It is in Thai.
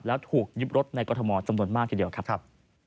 แล้วถูกยึดรถในกรทมจำนวนมากทีเดียวครับ